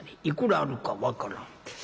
いくらあるか分からん。